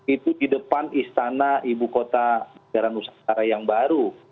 itu di depan istana ibu kota negara nusantara yang baru